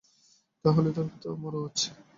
তা হলে দরকার তো আমারও আছে।